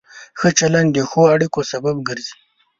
ښه چلند د ښو اړیکو سبب ګرځي.